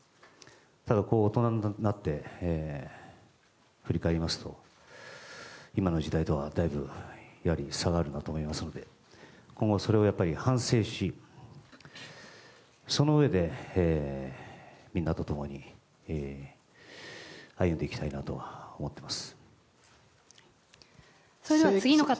ただ、大人になって振り返りますと今の時代とはだいぶ差があるなと思いますので今後、それを反省しそのうえで、みんなと共に歩んでいきたいなとは思っています。